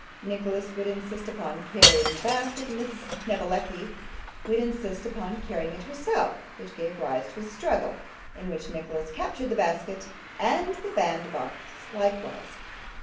Nicholas would insist upon carrying the basket, and Miss Snevellicci would insist upon carrying it herself, which gave rise to a struggle, in which Nicholas captured the basket and the bandbox likewise.